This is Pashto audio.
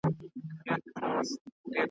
چي ژوندى يم همېشه به مي دا كار وي .